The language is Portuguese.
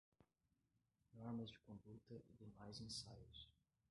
Normas de conduta e demais ensaios